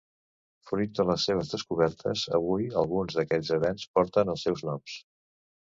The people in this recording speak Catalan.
Fruit de les seves descobertes, avui alguns d'aquells avencs porten els seus noms.